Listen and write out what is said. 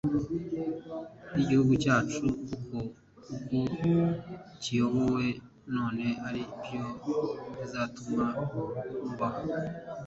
y'igihugu cyanyu kuko uko kiyobowe none ari byo bizatuma mubaho